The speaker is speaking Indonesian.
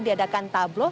diadakan tanggal salib